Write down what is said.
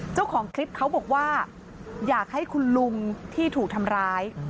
เจ้าของคลิปเขาบอกว่าอยากให้คุณลุงที่ถูกทำร้าย